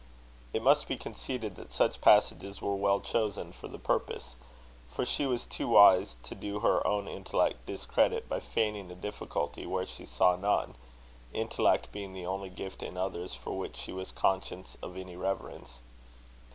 It must be conceded that such passages were well chosen for the purpose; for she was too wise to do her own intellect discredit by feigning a difficulty where she saw none; intellect being the only gift in others for which she was conscious of any reverence.